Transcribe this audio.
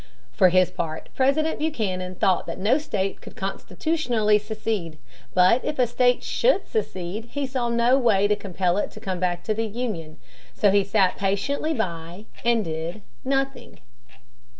For his part, President Buchanan thought that no state could constitutionally secede. But if a state should secede, he saw no way to compel it to come back to the Union. So he sat patiently by and did nothing.